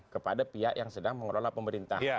kepada pihak yang sedang mengelola pemerintah